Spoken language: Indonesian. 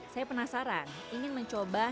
saya penasaran ingin mencoba